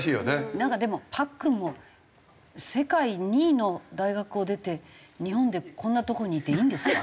なんかでもパックンも世界２位の大学を出て日本でこんなとこにいていいんですか？